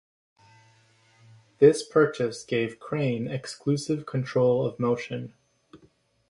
This purchase gave Crane exclusive control of Motion.